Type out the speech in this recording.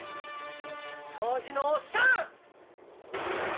掃除のおっさん！